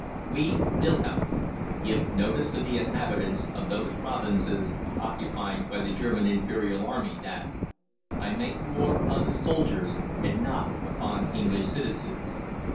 WE, WILHELM, GIVE NOTICE to the inhabitants of those provinces occupied by the German Imperial Army, that I MAKE WAR upon the soldiers, and not upon English citizens.